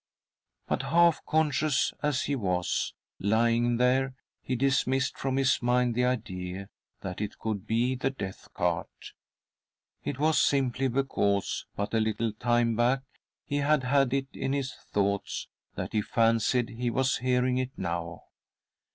But, half conscious as he was, lying there, he dismissed from his mind the idea that it could be the death cart. • It was simply because, but a little time back, he had had it in his thoughts that he fancied he was hearing it now.